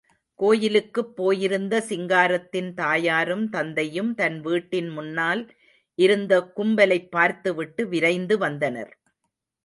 கோயிலுக்குப் போயிருந்த சிங்காரத்தின் தாயாரும் தந்தையும், தன் வீட்டின் முன்னால் இருந்த கும்பலைப் பார்த்து விட்டு விரைந்து வந்தனர்.